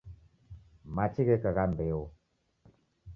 Machi gheka gha mbeo